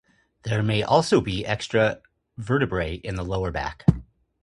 There may also be extra vertebrae in the lower back.